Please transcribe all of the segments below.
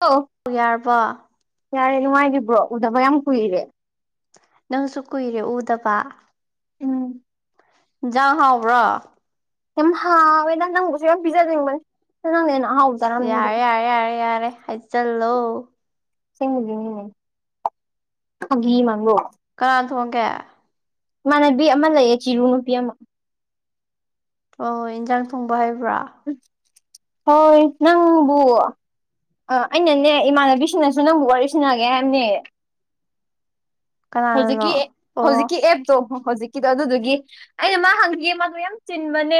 ꯑꯧ ꯌꯥꯔꯕꯣ ꯌꯥꯔꯦ ꯅꯨꯡꯉꯥꯏꯔꯤꯕ꯭ꯔꯣ ꯎꯗꯕ ꯌꯥꯝ ꯀꯨꯏꯔꯦ ꯅꯪꯁꯨ ꯀꯨꯏꯔꯦ ꯎꯗꯕ ꯎꯝ ꯏꯟꯖꯥꯡ ꯍꯥꯎꯕ꯭ꯔ‌ꯣ ꯌꯥꯝ ꯍꯥꯎꯋꯦꯗ ꯅꯪꯕꯨꯁꯨ ꯌꯥꯝ ꯄꯤꯖꯅꯤꯡꯕꯟ [unintelligible] ꯍꯥꯎ ꯌꯥꯔꯦ ꯌꯥꯔꯦ ꯌꯥꯔꯦ ꯌꯥꯔꯦ ꯍꯩꯖꯜꯂꯣ [unintelligible] ꯐꯒꯤ ꯃꯥꯟꯕ꯭ꯔ‌ꯣ ꯀꯅꯥꯟ ꯊꯣꯡꯒꯦ ꯏꯃꯥꯟꯅꯕꯤ ꯑꯃ ꯂꯩꯌꯦ ꯀꯤꯔꯨ ꯍꯨꯠꯄꯤ ꯑꯃ ꯑꯣ ꯏꯟꯖꯥꯡ ꯊꯣꯡꯕ ꯍꯩꯕ꯭ꯔ‌ꯣ ꯍꯣꯏ ꯅꯪꯕꯨ ꯑ ꯑꯩꯅꯅꯦ ꯏꯃꯥꯟꯅꯕꯤꯁꯤꯡꯅꯁꯨ ꯅꯪꯕꯨ ꯋꯥꯔꯤ ꯁꯟꯅꯒꯦ ꯍꯥꯏꯝꯅꯦ ꯍꯧꯖꯤꯛꯀꯤ ꯑꯦ ꯀꯅꯥꯅꯅꯣ ꯍꯧꯖꯤꯛꯀꯤ ꯑꯣ ꯑꯦꯞꯇꯣ ꯍ‌ꯣꯖꯤꯛ ꯀꯤꯗꯣ ꯑꯗꯨꯗꯨꯒꯤ ꯑꯩꯅ ꯃꯥ ꯍꯪꯈꯤꯒꯦ ꯃꯥꯗꯣ ꯌꯥꯝ ꯆꯤꯟꯕꯅꯦ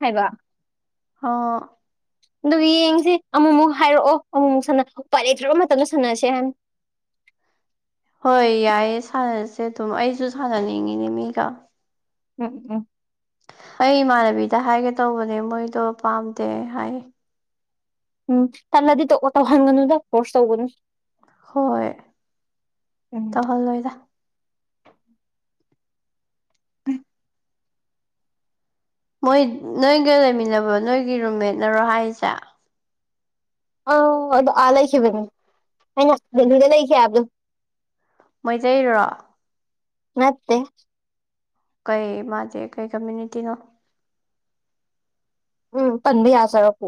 ꯍꯥꯏꯕ ꯑꯣ ꯗꯨꯒ ꯌꯦꯡꯁꯤ ꯑꯃꯨꯃꯨꯛ ꯍꯥꯏꯔꯛꯑꯣ ꯑꯃꯨꯃꯨꯛ ꯁꯅꯁꯤ ꯎꯄꯥꯏ ꯂꯩꯇ꯭ꯔꯕ ꯃꯇꯝꯗ ꯁꯥꯟꯅꯁꯦ ꯍꯥꯅ ꯍꯣꯏ ꯌꯥꯏꯌꯦ ꯁꯥꯟꯅꯁꯦ ꯑꯗꯨꯝ ꯑꯩꯁꯨ ꯁꯥꯟꯅꯅꯤꯡꯉꯤꯅꯦ ꯃꯤꯒ ꯎꯝ ꯎꯝ ꯑꯩ ꯏꯃꯥꯟꯅꯕꯤꯗ ꯍꯥꯏꯒꯦ ꯇꯧꯕꯅꯦ ꯃꯣꯏꯗꯣ ꯄꯥꯝꯗꯦ ꯍꯥꯏ ꯎꯝ ꯇꯜꯂꯗꯤ ꯇ‌ꯣꯑꯣ ꯇꯧꯍꯟꯒꯅꯨꯗ ꯐ‌ꯣꯔꯁ ꯇꯧꯒꯅꯨ ꯍꯣꯏ ꯎꯝ ꯇꯧꯍꯜꯂꯣꯏꯗꯥ ꯎꯝ ꯃꯣꯏ ꯅꯣꯏꯒ ꯂꯩꯃꯤꯟꯅꯕ ꯅꯣꯏꯒꯤ ꯔꯨꯝꯃꯦꯠꯅꯔꯣ ꯍꯥꯏꯖꯦ ꯑꯧ ꯑꯗꯣ ꯑ ꯂꯩꯒꯤꯕꯒꯤꯅꯤ ꯑꯩꯅ ꯗꯦꯂꯤꯗ ꯂꯩꯈꯤ ꯍꯥꯏꯕꯗꯣ ꯃꯩꯇꯩꯔꯣ ꯅꯠꯇꯦ ꯀꯩ ꯃꯥꯗꯤ ꯀꯩ ꯀꯝꯃ꯭ꯌꯨꯅꯤꯇꯤꯅꯣ ꯎꯝ ꯄꯟꯕ ꯌꯥꯖꯔꯛꯄꯣ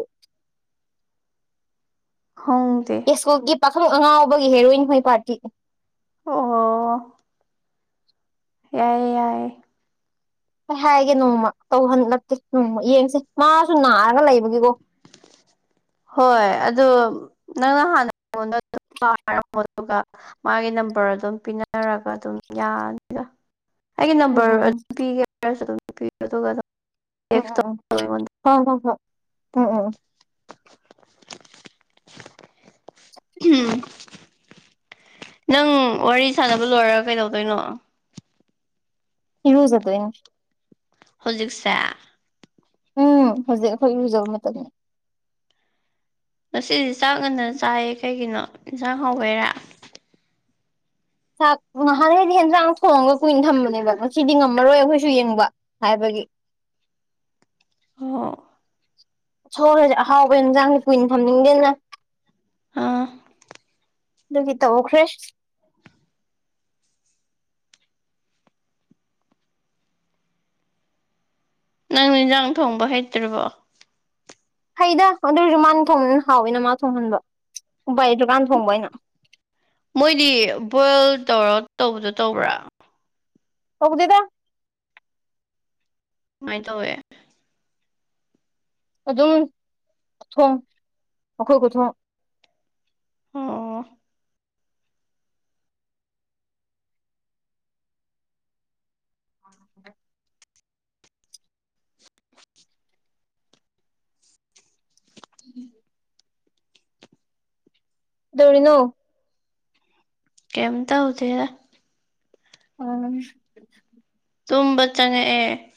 ꯈꯪꯗꯦ ꯀꯦꯁꯣꯒꯤ ꯄꯥꯈꯪ ꯑꯉꯥꯎꯕꯒꯤ ꯍꯦꯔꯣꯏꯟ ꯍꯣꯏ ꯄꯥꯔꯇꯤ ꯑꯣ ꯌꯥꯏ ꯌꯥꯏ ꯑꯩ ꯍꯥꯏꯒꯦ ꯅꯣꯡꯃ ꯇꯧꯍꯟ ꯅꯠꯇꯦ ꯎꯝ ꯌꯦꯡꯁꯦ ꯃꯥꯁꯨ ꯅꯥꯔꯒ ꯂꯩꯕꯒꯤꯀꯣ [unintelligible] ꯍꯣꯏ ꯑꯗꯣ ꯅꯪꯅ ꯍꯥꯟꯅ ꯑꯩꯉꯣꯟꯗ [inaudible] ꯑꯗꯨꯒ ꯃꯥꯒꯤ ꯅꯝꯕꯔ ꯑꯗꯨꯝ ꯄꯤꯅꯔꯒ ꯑꯗꯨꯝ ꯌꯥꯅꯤꯗ ꯑꯩꯒꯤ ꯎꯝ ꯅꯝꯕꯔ ꯎꯝ ꯑꯗꯨꯝ ꯄꯤꯒꯦ ꯍꯥꯏꯔꯁꯨ ꯑꯗꯨꯝ ꯄꯤꯌꯣ ꯑꯗꯨꯒ ꯑꯗꯨꯝ ꯎꯝ ꯇꯦꯛꯁ ꯎꯝ ꯇꯧꯔꯛꯑꯣ ꯑꯩꯉꯣꯟꯗ ꯍꯣꯏ ꯍꯣꯏ ꯍꯣꯏ ꯎꯝ ꯎꯝ ꯎꯝ ꯅꯪ ꯋꯥꯔꯤ ꯁꯥꯟꯅꯕ ꯂꯣꯏꯔꯒ ꯀꯩꯗꯧꯗꯣꯏꯅꯣ ꯏꯔꯨꯖꯗꯣꯏꯅꯤ ꯍꯧꯖꯤꯛꯁꯦ ꯎꯝ ꯍꯧꯖꯤꯛ ꯑꯈꯣꯏ ꯏꯔꯨꯖꯕ ꯃꯇꯝꯅꯤ ꯉꯁꯤꯗꯤ ꯆꯥꯛ ꯉꯟꯅ ꯆꯥꯏꯌꯦ ꯀꯩꯒꯤꯅꯣ ꯏꯟꯁꯥꯡ ꯍꯥꯎꯕꯩꯔꯥ ꯆꯥꯛ ꯅꯍꯥꯟꯒꯩꯗꯤ ꯍꯦꯟꯖꯥꯡ ꯊꫭꯡꯉꯒ ꯀꯨꯏꯅ ꯊꯝꯕꯅꯦꯕ ꯁꯤꯗꯤ ꯉꯝꯃꯔꯣꯏ ꯑꯩꯈꯣꯏꯁꯨ ꯌꯦꯡꯕ ꯍꯥꯏꯕꯒꯤ ꯑꯣ ꯁꯣꯔꯖꯦ ꯑꯍꯥꯎꯕ ꯌꯦꯟꯖꯥꯡ ꯀꯨꯏꯅ ꯊꯝꯅꯤꯡꯗꯦꯗ ꯑꯥ ꯑꯗꯨꯒꯤ ꯇꯧꯈ꯭ꯔꯦ ꯅꯪ ꯏꯟꯖꯥꯡ ꯊꯣꯡꯕ ꯍꯩꯇ꯭ꯔꯤꯕꯣ ꯍꯩꯗ ꯑꯗꯨ ꯑꯣꯏꯔꯁꯨ ꯃꯥꯅ ꯊꯣꯡꯕ ꯍꯥꯎꯌꯦꯅ ꯃꯥ ꯊꯣꯡꯍꯟꯕ ꯎꯄꯥꯏ ꯂꯩꯇꯔꯀꯥꯟ ꯊꯣꯡꯕ ꯑꯩꯅ ꯃꯣꯏꯗꯤ ꯕꯣꯏꯜ ꯇꯧꯔ ꯇꯧꯕꯗꯣ ꯇꯧꯕ꯭ꯔꯥ ꯇꯧꯗꯦꯗ ꯃꯥꯏ ꯇꯧꯌꯦ ꯑꯗꯨꯝ ꯊꯨꯝ ꯑꯈꯣꯏ ꯈꯨꯊꯣꯡ ꯑꯣ [unintelligible] ꯎꯝ ꯗꯧꯔꯤꯅꯣ ꯀꯩꯌꯤꯝꯇꯧꯗꯦ [inaudible] ꯇꯨꯝꯕ ꯆꯪꯉꯛꯑꯦ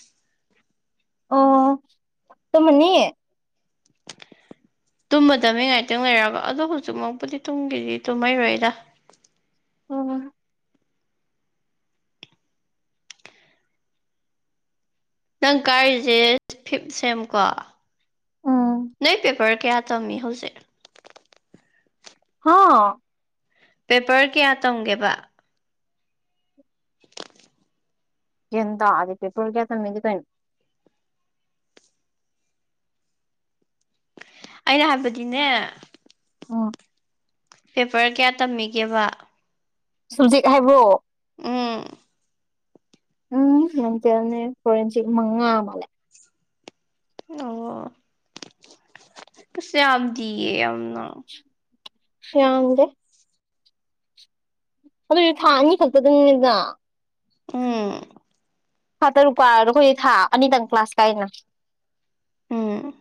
ꯑꯣ ꯇꯨꯃꯅꯤ ꯇꯨꯝꯃꯗꯃꯤ ꯉꯥꯏꯇꯪ ꯂꯩꯔꯒ ꯑꯗꯣ ꯍꯧꯖꯤꯛꯃꯛꯄꯨꯗꯤ ꯇꯨꯡꯒꯤꯗꯤ ꯇꯨꯝꯃꯩꯔꯣꯏꯗ ꯑꯣ ꯅꯪ ꯀꯥꯔꯤꯖꯦ ꯐꯤꯞ ꯁꯦꯝꯀꯣ ꯎꯝ ꯅꯣꯏ ꯄꯦꯄꯔ ꯀꯌꯥ ꯇꯝꯃꯤ ꯍꯧꯖꯤꯛ ꯍꯥ ꯄꯦꯄꯔ ꯀꯌꯥ ꯇꯝꯒꯦꯕ ꯒꯤꯌꯥꯟ ꯇꯥꯗꯦ ꯄꯦꯄꯔ ꯀꯌꯥ ꯇꯝꯃꯤꯗꯤ ꯀꯩꯅꫭ ꯑꯩꯅ ꯍꯥꯏꯕꯗꯤꯅꯦ ꯎꯝ ꯄꯦꯄꯔ ꯀꯌꯥ ꯇꯝꯃꯤꯒꯦꯕ ꯁꯕꯖꯦꯛ ꯍꯥꯏꯕ꯭ꯔꯣ ꯎꯝ ꯎꯝ [inaudible] ꯃꯉꯥ ꯃꯥꯜꯂꯦ ꯑꯣ ꯑꯁ ꯌꯥꯝꯗꯤꯌꯦ ꯌꯥꯝꯅ ꯌꯥꯝꯗꯦ ꯑꯗꯨꯏꯖꯨ ꯊꯥ ꯑꯅꯤ ꯈꯛꯇꯗꯪꯅꯤꯅ ꯎꯝ ꯊꯥ ꯇꯔꯨꯛ ꯀꯥꯔꯖꯨ ꯑꯩꯈꯣꯏ ꯊꯥ ꯑꯅꯤꯗꯪ ꯀ꯭ꯂꯥꯁ ꯀꯥꯏꯅ ꯎꯝ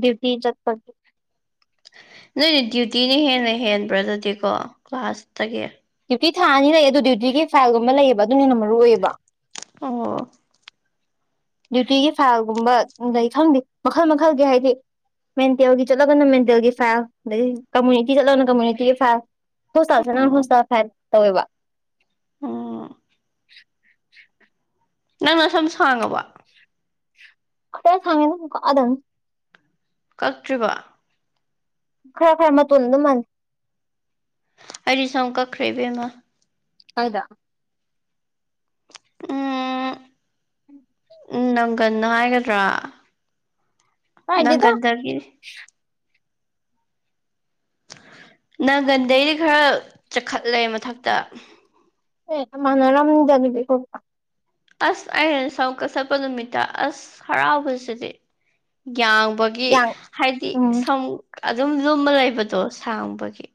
ꯗꯤꯌꯨꯇꯤ ꯆꯠꯄꯒꯤ ꯅꯣꯏꯗꯤ ꯗꯤꯌꯨꯇꯤꯅ ꯍꯦꯟꯅ ꯍꯦꯟꯕ꯭ꯔꯥ ꯑꯗꯨꯗꯤꯀꯣ ꯀ꯭ꯂꯥꯁꯇꯒꯤ ꯗꯤꯌꯨꯇꯤ ꯊꯥ ꯑꯅꯤ ꯂꯩꯌꯦ ꯑꯗꯨ ꯗꯤꯌꯨꯇꯤꯒꯤ ꯐꯥꯏꯜꯒꯨꯝꯕ ꯂꯩꯌꯦꯕ ꯑꯗꯨꯅ ꯍꯟꯅ ꯃꯔꯨ ꯑꯣꯏꯌꯦꯕ ꯑꯣ ꯗꯤꯌꯨꯇꯤꯒꯤ ꯐꯥꯏꯜꯒꯨꯝꯕ ꯂꯩ ꯈꯪꯗꯦ ꯃꯈꯜ ꯃꯈꯜꯒꯤ ꯍꯥꯏꯗꯤ ꯃꯦꯟꯇꯦꯜꯒꯤ ꯆꯠꯂꯒꯅ ꯃꯦꯟꯇꯦꯜꯒꯤ ꯐꯥꯏꯜ ꯑꯗꯩꯗꯤ ꯀꯝꯃꯨꯅꯤꯇꯤ ꯆꯠꯂꯒꯅ ꯀꯝꯃꯨꯅꯤꯇꯤꯒꯤ ꯐꯥꯏꯜ ꯍꯣꯁꯇꯥꯜ ꯆꯠꯂ ꯎꯝ ꯍꯣꯁꯇꯥꯜ ꯐꯥꯏꯜ ꯇꯧꯋꯦꯕ ꯑꯣ ꯅꯪ ꯅꯁꯝ ꯁꯥꯡꯉꯕꯣ ꯈꯔ ꯁꯥꯡꯉꯦꯗ ꯀꯛꯑꯗꯝꯅꯤ ꯀꯛꯇꯔꯤꯕꯣ ꯈꯔ ꯈꯔ ꯃꯇꯣꯟ ꯑꯗꯨꯝ ꯃꯟ ꯑꯩꯗꯤ ꯁꯝ ꯀꯛꯈꯔꯦ ꯏꯕꯦꯝꯃꯥ ꯀꯥꯏꯗ [unintelligible] ꯎꯝ ꯅꯪꯒꯟ ꯍꯥꯏꯒꯗ꯭ꯔꯥ ꯍꯥꯏꯗꯦꯗ ꯅꯪꯒꯟꯗꯒꯤ ꯅꯪꯒꯟꯗꯩꯗꯤ ꯈꯔ ꯆꯛꯈꯠꯂꯦ ꯃꯊꯛꯇ ꯑꯦ ꯃꯥꯟꯅꯔꯝꯗꯕꯤꯗ ꯇꯣꯛꯞ ꯑꯁ ꯑꯩꯅ ꯁꯝ ꯀꯛꯊꯠꯄꯥ ꯅꯨꯃꯤꯠꯇ ꯑꯁ ꯍꯔꯥꯎꯕꯁꯤꯗꯤ ꯌꯥꯡꯕ ꯒꯤ ꯌꯥꯡ ꯍꯥꯏꯗꯤ ꯎꯝ ꯁꯝ ꯑꯗꯨꯝ ꯂꯨꯝꯃꯥ ꯂꯩꯕꯗꯣ ꯁꯥꯡꯕꯒꯤ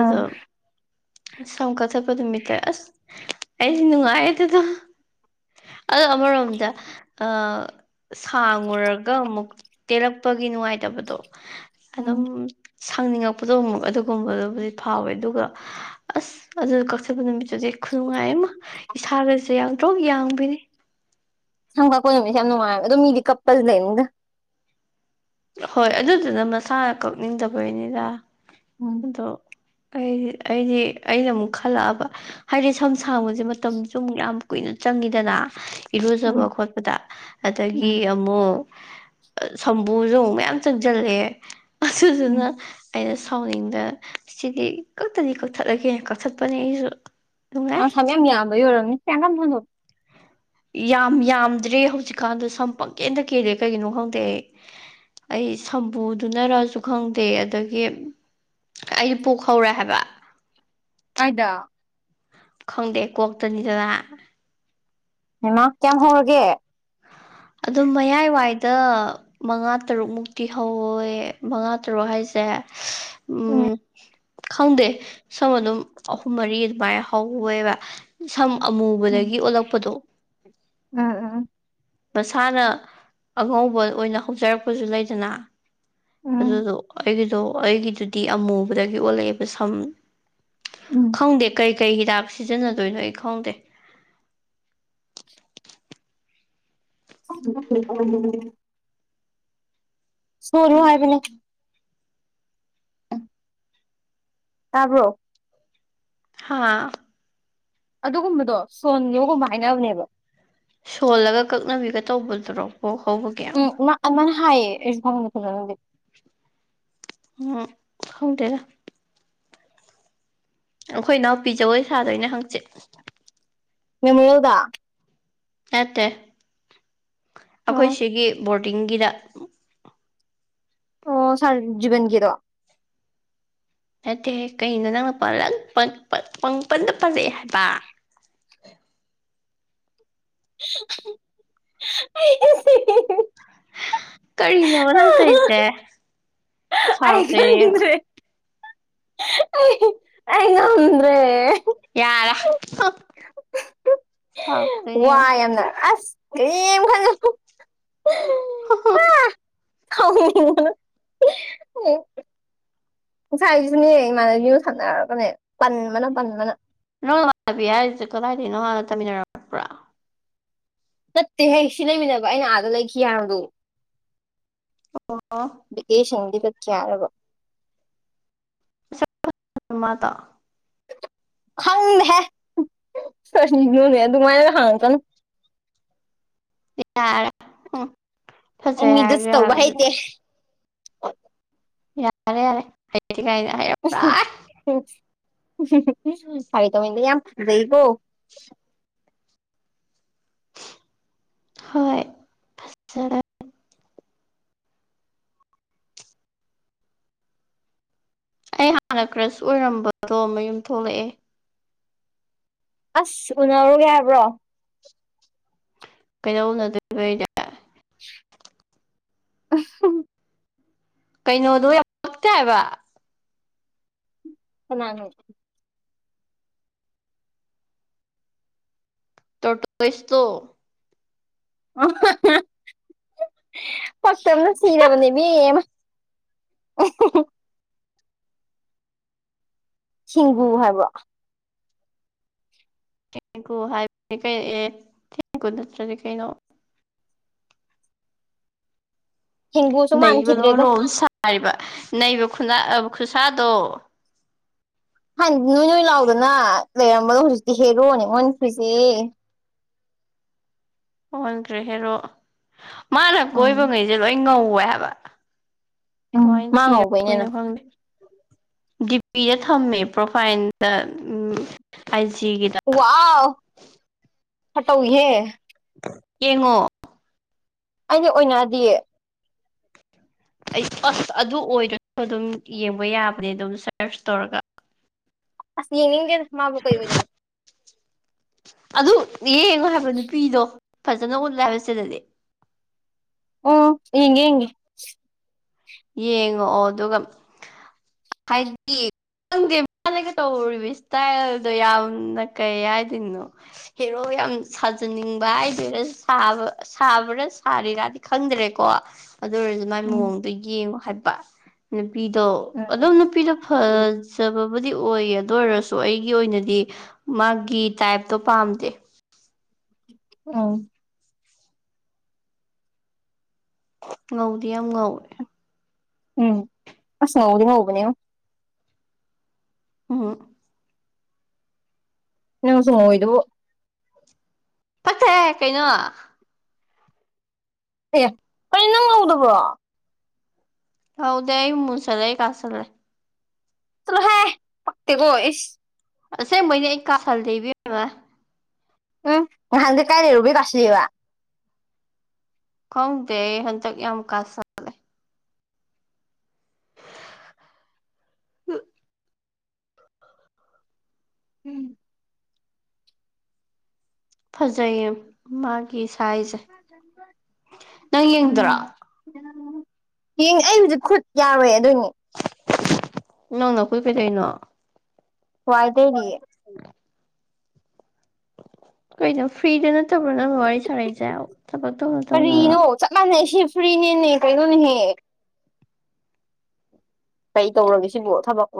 ꯑꯥ ꯁꯝ ꯀꯛꯊꯠꯄꯥ ꯅꯨꯃꯤꯠꯇ ꯑꯁ ꯑꯩꯗꯤ ꯅꯨꯡꯉꯥꯏꯌꯦ ꯑꯗꯨꯗꯣ ꯑꯗꯣ ꯑꯃꯔꯣꯝꯗ ꯑꯥ ꯁꯥꯡꯉꯨꯔꯒ ꯑꯃꯨꯛ ꯇꯦꯜꯂꯛꯄꯒꯤ ꯅꯨꯡꯉꯥꯏꯇꯕꯗꯣ ꯎꯝ ꯑꯗꯨꯝ ꯁꯥꯡꯅꯤꯡꯉꯛ ꯄꯗꯣꯃꯨꯛ ꯑꯗꯨꯒꯨꯝꯕꯗꯨꯕꯨꯗꯤ ꯐꯥꯎꯋꯦ ꯑꯗꯨꯒ ꯑꯁ ꯑꯗꯨ ꯀꯛꯊꯠꯃ ꯅꯨꯃꯤꯠꯇ ꯗꯗꯤ ꯈꯨꯅꯨꯡꯉꯥꯏ ꯑꯃ ꯏꯁꯥꯒꯁꯦ ꯌꯥꯡꯇꯔꯣꯛ ꯌꯥꯡꯕꯤꯅꯤ ꯁꯝ ꯀꯛꯄꯥ ꯅꯨꯃꯤꯠꯁꯦ ꯌꯥꯝ ꯅꯨꯡꯉꯥꯏꯕ ꯑꯗꯣ ꯃꯤꯗꯤ ꯀꯞꯄ ꯂꯩꯝꯅꯤꯗ ꯍꯣꯏ ꯑꯗꯨꯗꯨꯅ ꯃꯁꯥꯅ ꯀꯛꯅꯤꯡꯗꯕꯩꯅꯤꯗ ꯎꯝ ꯑꯗꯣ ꯑꯩ ꯑꯩꯗꯤ ꯑꯩꯅ ꯑꯃꯨꯛ ꯈꯜꯂꯛꯑꯕ ꯍꯥꯏꯗꯤ ꯁꯝ ꯁꯥꯡꯕꯁꯦ ꯃꯇꯝꯁꯨꯨ ꯃꯨꯛ ꯌꯥꯝ ꯀꯨꯏꯅ ꯆꯪꯉꯤꯗꯅ ꯎꯝ ꯏꯔꯨꯖꯕ ꯈꯣꯠꯄꯗ ꯑꯗꯒꯤ ꯎꯝ ꯑꯃꯨꯛ ꯁꯝ ꯕꯨꯖꯣꯡ ꯃꯌꯥꯝ ꯆꯪꯁꯤꯜꯂꯛꯑꯦ ꯎꯝ ꯑꯁꯨꯗꯨꯅ ꯑꯩꯅ ꯁꯥꯎꯅꯤꯡꯗꯅ ꯁꯤꯗꯤ ꯀꯛꯇꯗꯤ ꯀꯛꯊꯠꯂꯒꯦ ꯀꯛꯊꯠꯄꯅꯤ ꯑꯩꯁꯨ ꯅꯨꯡꯉꯥꯏ ꯑ ꯁꯝ ꯌꯥꯝ ꯌꯥꯝꯕꯩ ꯑꯣꯏꯔꯝꯅꯤ ꯀꯌꯥꯝ ꯀꯌꯥꯝ ꯍꯞꯇꯨꯏꯅꯣ ꯌꯥꯝ ꯌꯥꯝꯗ꯭ꯔꯦ ꯍꯧꯖꯤꯛꯀꯥꯟꯗꯣ ꯁꯝ ꯄꯪꯀꯦꯟꯗ ꯀꯦꯜꯂꯦ ꯀꯩꯒꯤꯅꯣ ꯈꯪꯗꯦ꯫ ꯑꯩ ꯁꯝꯄꯨꯗꯨꯅꯔꯁꯨ ꯈꯪꯗꯦ ꯑꯗꯒꯤ ꯑꯩ ꯄꯣꯛ ꯍꯧꯔꯦ ꯍꯥꯏꯕ ꯀꯥꯏꯗ ꯈꯪꯗꯦ ꯀꯣꯛꯇꯅꯤꯗꯅ ꯃꯃꯥ ꯀꯌꯥꯝ ꯍꯧꯔꯒꯦ? ꯑꯗꯨꯝ ꯃꯌꯥꯏꯋꯥꯏꯗ ꯃꯉꯥ ꯇꯔꯨꯛ ꯃꯨꯛꯇꯤ ꯍꯧꯋꯦ ꯃꯉꯥ ꯇꯔꯨꯛ ꯍꯥꯏꯁꯦ ꯎꯝ ꯈꯪꯗꯦ ꯁꯝ ꯑꯗꯨꯝ ꯑꯍꯨꯝ ꯃꯔꯤ ꯑꯗꯨꯃꯥꯏꯅ ꯍꯧꯋꯦꯕ ꯁꯝ ꯑꯃꯨꯕꯗꯒꯤ ꯑꯣꯜꯂꯛꯄꯗꯣ ꯎꯝ ꯎꯝ ꯎꯝ ꯃꯁꯥꯅ ꯑꯉꯧꯕ ꯑꯣꯏꯅ ꯍꯧꯖꯔꯛꯄꯁꯨ ꯂꯩꯗꯅ ꯎꯝ ꯑꯗꯨꯗꯣ ꯑꯩꯒꯤꯗꯣ ꯑꯩꯒꯤꯗꯨꯗꯤ ꯑꯃꯨꯕꯗꯒꯤ ꯑꯣꯜꯂꯛꯑꯦꯕ ꯁꯝ ꯎꯝ ꯈꯪꯗꯦ ꯀꯩꯀꯩ ꯍꯤꯗꯥꯛ ꯁꯤꯖꯤꯟꯅꯗꯣꯏꯅꯣ ꯑꯩ ꯈꯪꯗꯦ ꯎꯝ ꯁꯨꯅꯤ ꯍꯥꯏꯕꯅꯦ ꯇꯥꯕ꯭ꯔꯣ ꯍꯥꯥ ꯑꯗꯨꯒꯨꯝꯕꯗꯣ ꯁꯣꯟꯌꯣꯒꯨꯝꯕ ꯍꯥꯏꯅꯕꯅꯦꯕ ꯁꯣꯜꯂꯒ ꯀꯛꯅꯕꯤꯒ ꯇꯧꯕꯗꯨꯔꯣ ꯄꯣꯛ ꯍꯧꯕꯒꯤ ꯑꯃꯥ ꯍꯥꯏꯌꯦ ꯑꯩꯁꯨ ꯈꯪꯗꯦ ꯐꯖꯅꯗꯤ ꯎꯝ ꯈꯪꯗꯦꯗ ꯑꯩꯈꯣꯏ ꯏꯅꯥꯎꯄꯤ ꯖꯒꯣꯏ ꯁꯥꯗꯣꯏꯅꯦ ꯍꯪꯆꯤꯠ ꯃꯦꯃꯣꯔꯦꯜ ꯗꯥ ꯅꯠꯇꯦ ꯑꯩꯈꯣꯏ ꯑꯣ ꯁꯤꯒꯤ ꯕꯣꯔꯗꯤꯡꯒꯤꯗ ꯑꯣ ꯁꯥꯔ ꯖꯨꯒꯤꯟꯒꯤꯗꯣ ꯅꯠꯇꯦꯍꯦ ꯀꯩꯅꯣ ꯅꯪꯅ ꯄꯥꯔꯟ ꯄꯟ ꯄꯠ ꯄꯪꯄꯟꯗ ꯄꯟꯂꯛꯑꯦ ꯍꯥꯏꯕꯥ ꯑꯩꯗꯤ ꯁꯤꯔꯦ ꯀꯔꯤꯅꯣꯕ ꯅꯪꯅ ꯇꯧꯔꯤꯁꯦ ꯑꯩ ꯁꯥꯎꯔꯛꯇꯣꯏꯅꯦ ꯌꯦꯡꯉꯣ ꯈꯪꯗ꯭ꯔꯦ ꯑꯩ ꯉꯝꯗꯔꯦ ꯌꯥꯔꯦ ꯁꯥꯎꯔꯛꯇꯣꯏꯅꯦ ꯋꯥꯏ ꯌꯥꯝꯅ ꯑꯁ ꯀꯔꯤꯝ ꯈꯜꯂꯨꯅꯨ ꯍꯣ ꯍꯣꯏ ꯈꯪꯉꯣꯏ ꯅꯪ ꯉꯁꯥꯏꯁꯨꯅꯦ ꯏꯃꯥꯅꯕꯤꯒ ꯁꯥꯟꯅꯔꯒꯅꯦ ꯄꯟꯕꯅ ꯄꯟꯕꯅ ꯅꯣꯏ ꯅꯃꯥꯅꯕꯤ ꯍꯥꯏꯁꯦ ꯀꯗꯥꯏꯗꯩꯅꯣ ꯅꯪ ꯍꯥꯟꯅ ꯇꯝꯃꯤ ꯅꯔꯛꯄꯔꯣ ꯅꯠꯇꯦꯍꯦ ꯁꯤ ꯂꯩꯃꯤꯟꯅꯕ ꯑꯩꯅ ꯑꯥꯗ ꯂꯩꯈꯤ ꯍꯥꯏꯕꯗꯣ ꯑꯣ ꯑꯣ ꯚꯦꯀꯦꯁꯟꯒꯤ ꯆꯠꯈꯤ ꯍꯥꯏꯔꯒ ꯃꯁꯛ ꯃꯥꯗꯣ ꯈꯪꯗꯦꯍꯦ ꯀꯔꯤꯅꯣꯅꯦ ꯑꯗꯨꯃꯥꯏꯅ ꯍꯪꯉꯛꯀꯅꯨ ꯌꯥꯔꯦ ꯍꯨꯡ ꯑꯩ ꯐꯖꯩ ꯍꯥꯏꯔꯁꯨ ꯃꯤꯗꯨꯁꯨ ꯇꯧꯕ ꯌꯥꯕꯗꯨꯗ ꯍꯩꯇꯦ ꯌꯥꯔꯦ ꯌꯥꯔꯦ ꯌꯥꯏꯅ ꯍꯥꯏꯌꯣ ꯐꯥꯒꯤ ꯇꯧꯕꯅꯤꯗ ꯌꯥꯝ ꯐꯖꯩꯀꯣ [inaudible] ꯍꯣꯏ ꯐꯖꯔꯦ ꯑꯩ ꯍꯥꯟꯅ ꯀ꯭ꯔꯁ ꯑꯣꯏꯔꯝꯕꯗꯣ ꯃꯌꯨꯝ ꯊꯣꯛꯂꯛꯑꯦ ꯑꯁ ꯎꯅꯔꯨꯒꯦ ꯍꯥꯏꯕ꯭ꯔꯣ ꯀꯩꯗꯧ ꯎꯅꯗꯣꯏꯕ ꯑꯩꯗꯤ ꯎꯝ ꯍꯨꯝ ꯀꯩꯅꯣꯗꯣ ꯌꯥꯝ ꯄꯛꯇꯦ ꯍꯥꯏꯕ ꯀꯅꯥꯅꯣ ꯇꯣꯔꯇꯣꯏꯁꯇꯣ [unintelligible] ꯄꯛꯇꯕꯅ ꯁꯤꯔꯕꯅꯦ ꯃꯤ ꯑꯃ ꯄꯨꯒꯣ ꯍꯥꯏꯕꯔꯣ ꯊꯦꯡꯒꯨ ꯍꯥꯏꯕꯅꯤ ꯀꯩꯅꯣ ꯑꯦ ꯊꯦꯡꯒꯨ ꯅꯠꯇ꯭ꯔꯗꯤ ꯀꯩꯅꯣ ꯍꯤꯡꯒꯨꯁꯨ ꯅꯩꯕꯅ ꯃꯥꯟꯈꯤꯗ꯭ꯔꯦꯗ ꯃꯔꯣꯟ ꯑꯃ ꯁꯥꯔꯤꯕ ꯅꯩꯕ ꯈꯨꯠꯁꯥꯗꯣ ꯍꯥꯟꯅ ꯅꯣꯏ ꯅꯣꯏ ꯂꯥꯎꯗꯅ ꯂꯩꯔꯝꯕꯗꯣ ꯍꯧꯖꯤꯛꯇꯤ ꯍꯦꯔꯣꯅꯤ ꯑꯣꯟꯈꯔ꯭ꯤꯁꯦ ꯑꯣꯟꯈ꯭ꯔꯦ ꯍꯦꯔꯣ ꯃꯥꯅ ꯎꯝ ꯀꯣꯏꯕꯉꯩꯁꯦ ꯂꯣꯏ ꯉꯧꯋꯦ ꯍꯥꯏꯕ ꯎꯝ ꯀꯃꯥꯏꯅ ꯃꯥꯥ ꯊꯤꯔ ꯉꯧꯕꯩꯅꯦ ꯑꯗꯣ ꯗꯤ ꯄꯤꯗ ꯊꯝꯃꯦ ꯄ꯭ꯔꯣꯐꯥꯏꯟꯗ ꯎꯝ ꯑꯥꯏ ꯖꯤꯒꯤ ꯋꯥꯎ ꯈꯔꯥ ꯇꯧꯏꯍꯦ ꯌꯦꯡꯉꯣ ꯑꯩꯗꯤ ꯑꯣꯏꯅꯗꯤꯌꯦ ꯑꯩ ꯑꯁ ꯑꯗꯨ ꯑꯣꯏꯗ꯭ꯔꯁꯨ ꯑꯗꯨꯝ ꯌꯦꯡꯕ ꯌꯥꯕꯅꯦ ꯑꯗꯨꯝ ꯁꯔꯁ ꯇꯧꯔꯒ ꯑꯁ ꯌꯦꯡꯅꯤꯡꯗꯦꯗꯥ ꯃꯥꯕꯨ ꯀꯩ ꯑꯣꯏꯗꯅ ꯑꯗꯨ ꯌꯦꯡꯉꯣ ꯍꯥꯏꯕ ꯅꯨꯄꯤꯗꯣ ꯐꯖꯅ ꯎꯠꯂꯦ ꯍꯥꯏꯕ ꯁꯤꯗꯗꯤ ꯑꯣ ꯌꯦꯡꯒꯦ ꯌꯦꯡꯒꯦ ꯌꯦꯡꯉꯛꯑꯣ ꯑꯗꯨꯒ ꯍꯥꯏꯗꯤ ꯈꯪꯗꯦ ꯃꯥꯅꯒꯥ ꯇꯧꯔꯤꯕ ꯏꯁꯇꯥꯏꯜꯗꯣ ꯌꯥꯝꯅ ꯀꯩ ꯍꯥꯏꯗꯣꯏꯅꯣ ꯍꯦꯔꯣ ꯌꯥꯝ ꯁꯥꯖꯅꯤꯡꯕ ꯍꯥꯏꯗꯣꯏꯔ ꯁꯥꯕ ꯁꯥꯕ꯭ꯔꯥ ꯁꯥꯔꯤꯔꯥꯗꯤ ꯈꯪꯗ꯭ꯔꯦꯀꯣ ꯑꯗꯨ ꯑꯣꯏꯔꯁꯨ ꯃꯥꯏ ꯎꯝ ꯃꯑꯣꯡꯗꯣ ꯌꯦꯡꯉꯣ ꯍꯥꯏꯕ ꯅꯨꯄꯤꯗꯣ ꯎꯝ ꯑꯗꯨꯝ ꯅꯨꯄꯤꯗꯣ ꯐꯖꯕꯕꯨꯗꯤ ꯑꯣꯏꯌꯦ ꯑꯗꯨ ꯑꯣꯏꯔꯁꯨ ꯑꯩꯒꯤ ꯑꯣꯏꯅꯗꯤ ꯃꯥꯒꯤ ꯇꯥꯏꯞꯇꯣ ꯄꯥꯝꯗꯦ ꯑꯥꯎ ꯉꯧꯗꯤ ꯌꯥꯝ ꯉꯧꯋꯦ ꯎꯝ ꯑꯁ ꯉꯧꯕꯗꯤ ꯉꯧꯕꯅꯦꯉꯣ ꯎꯝ ꯅꯪꯁꯨ ꯉꯧꯔꯤꯗꯨꯕꯨ ꯄꯛꯇꯦꯍꯦ ꯀꯩꯅꯣ ꯑꯦ ꯀꯔꯤꯅꯣ ꯅꯪ ꯉꯧꯗꯕꯔꯣ ꯉꯧꯗꯦ ꯑꯩ ꯃꯨꯁꯤꯜꯂꯦ ꯑꯩ ꯀꯥꯁꯤꯜꯂꯦ ꯆꯠꯂꯣ ꯍꯦ ꯄꯥꯛꯇꯦꯀꯣ ꯏꯁ ꯑꯁꯦꯡꯕꯩꯅꯤ ꯑꯩ ꯀꯥꯥꯁꯜꯂꯦ ꯏꯕꯦꯃꯥ ꯎꯝ ꯅꯥꯍꯥꯟꯗꯤ ꯀꯥꯏ ꯂꯩꯔꯨꯕꯩ ꯀꯥꯁꯤꯜꯂꯤꯕꯥ ꯈꯪꯗꯦ ꯑꯩ ꯍꯟꯇꯥꯛ ꯌꯥꯝ ꯀꯥꯥꯁꯤꯜꯂꯦ ꯎꯝ ꯐꯖꯩꯌꯦ ꯃꯥꯒꯤ ꯁꯥꯏꯁꯦ ꯅꯪ ꯌꯦꯡꯗꯔꯣ ꯌꯦꯡ ꯑꯩ ꯍꯧꯖꯤꯛ ꯈꯨꯠ ꯌꯥꯎꯌꯦ ꯑꯗꯨꯏꯅꯦ ꯅꯪ ꯅꯈꯨꯠ ꯀꯩꯗꯧꯔꯤꯅꯣ ꯋꯥꯏ ꯇꯩꯔꯤꯌꯦ ꯎꯝ [inaudible] ꯀꯩꯅꯣ ꯐ꯭ꯔꯤꯗ ꯅꯠꯇꯕ꯭ꯔꯣ ꯅꯪ ꯋꯥꯔꯤ ꯁꯥꯔꯩꯁꯦ ꯊꯕꯛ ꯇꯧ ꯀꯔꯤꯅꯣ ꯆꯞ ꯃꯥꯟꯅꯩ ꯁꯤ ꯐꯨ꯭ꯔꯤꯅꯤꯅꯦ ꯀꯩꯅꯣꯅꯦꯍꯦ ꯀꯩ ꯇꯧꯔꯒꯦ ꯁꯤꯕꯨ ꯊꯕꯛꯂꯣ